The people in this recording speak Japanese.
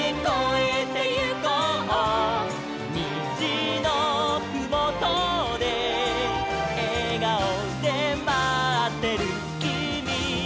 「にじのふもとでえがおでまってるきみがいる」